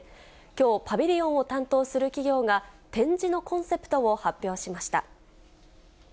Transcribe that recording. きょう、パビリオンを担当する企業が展示のコンセプトを発表しました。